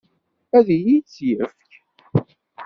Ad iyi-tt-yefk?